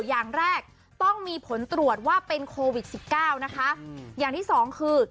อย่างแรกต้องมีผลตรวจว่าเป็นโควิดสิบเก้านะคะอย่างที่สองคือ